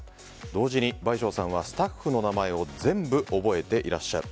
同時に倍賞さんはスタッフの名前を全部覚えていらっしゃる。